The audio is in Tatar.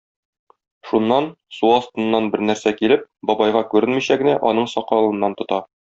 Шуннан, су астыннан бернәрсә килеп, бабайга күренмичә генә, аның сакалыннан тота.